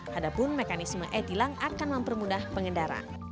hadapun mekanisme e tilang akan mempermudah pengendara